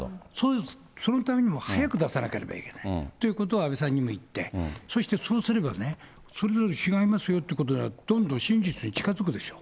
そのためにも早く出さなければいけないということは安倍さんにも言って、そして、そうすればね、それぞれ違いますよということで、どんどん真実に近づくでしょう？